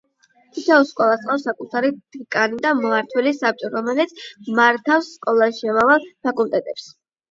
თითოეულ სკოლას ჰყავს საკუთარი დეკანი და მმართველი საბჭო, რომელიც მართავს სკოლაში შემავალ ფაკულტეტებს.